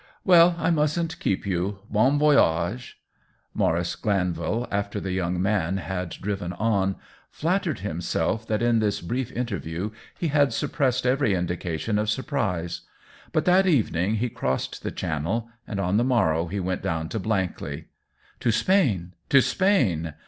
"Well, I mustn't keep you. Bon voy age r Maurice Glanvil, after the young man had THE WHEEL OF TIME 93 driven on, flattered himself that in this brief interview he had suppressed every indication of surprise ; but that evening he crossed the Channel, and on the morrow he went down to Blankley. " To Spain — to Spain